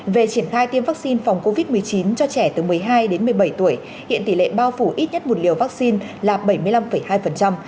về triển khai tiêm vaccine phòng covid một mươi chín cho trẻ từ một mươi hai đến một mươi bảy tuổi hiện tỷ lệ bao phủ ít nhất một liều vaccine là bảy mươi năm hai